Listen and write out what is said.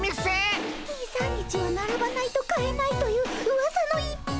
２３日はならばないと買えないといううわさの逸品。